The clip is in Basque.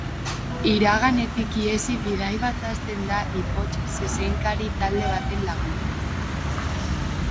Iraganetik ihesi, bidai bat hasten da ipotx-zezenkari talde baten laguntzaz.